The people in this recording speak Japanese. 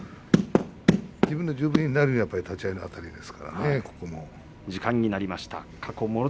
自分の十分になるには立ち合いのあたりです。